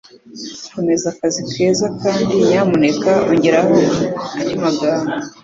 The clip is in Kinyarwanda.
Komeza akazi keza kandi nyamuneka ongeraho andi magambo.